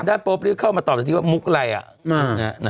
แล้วผู้สิทธิ์เข้ามาตอบหัวหมุบอะไรอะ